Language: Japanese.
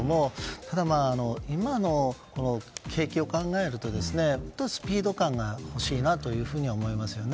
ただ、今の景気を考えるともっとスピード感が欲しいなと思いますよね。